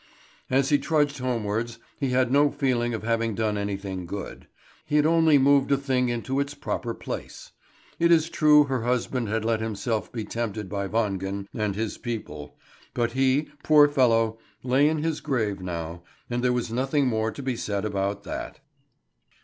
As he trudged homewards he had no feeling of having done anything good; he had only moved a thing into its proper place. It is true her husband had let himself be tempted by Wangen and his people, but he, poor fellow, lay in his grave now, and there was nothing more to be said about that.